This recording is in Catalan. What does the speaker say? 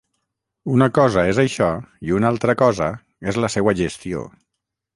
Una cosa és això i una altra cosa és la seua gestió.